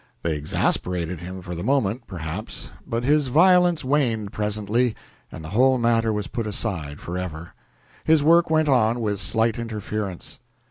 They exasperated him for the moment, perhaps, but his violence waned presently, and the whole matter was put aside forever. His work went on with slight interference.